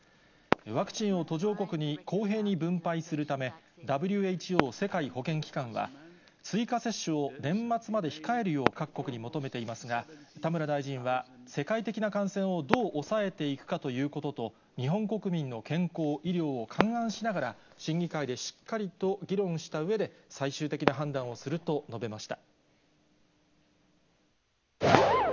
ワクチンを途上国に公平に分配するため、ＷＨＯ・世界保健機関は、追加接種を年末まで控えるよう各国に求めていますが、田村大臣は、世界的な感染をどう抑えていくかということと、日本国民の健康、医療を勘案しながら、審議会でしっかりと議論したうえで、最終的な判断をすると述べました。